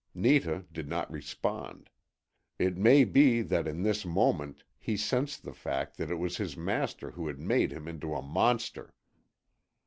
Netah did not respond. It may be that in this moment he sensed the fact that it was his master who had made him into a monster.